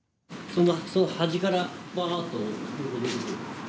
その端からぱーっと、よく出てくる。